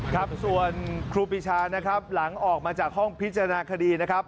ครับส่วนครูปีชานะครับหลังออกมาจากห้องพิจารณาคดีนะครับ